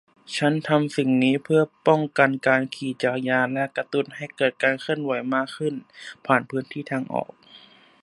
ฉันทำสิ่งนี้เพื่อป้องกันการขี่จักรยานและกระตุ้นให้เกิดการเคลื่อนไหวมากขึ้นผ่านพื้นที่ทางออก